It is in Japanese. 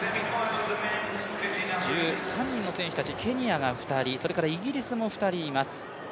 １３人の選手たち、ケニアが２人、それからイギリスも２人います。